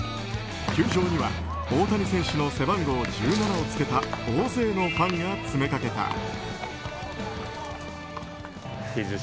球場には大谷選手の背番号１７を付けた大勢のファンが詰めかけた。